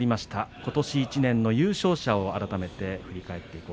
ことし１年の優勝者を改めて振り返ります。